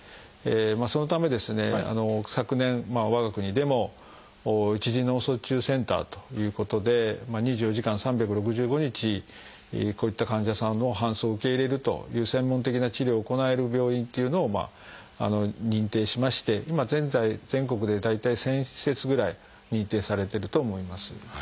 そのためですね昨年我が国でも「一次脳卒中センター」ということで２４時間３６５日こういった患者さんの搬送を受け入れるという専門的な治療を行える病院っていうのを認定しまして今現在全国で大体１，０００施設ぐらい認定されてると思います。